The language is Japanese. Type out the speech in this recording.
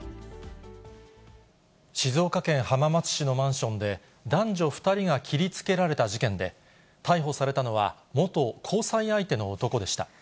静岡県浜松市のマンションで、男女２人が切りつけられた事件で、逮捕されたのは、元交際相手の男でした。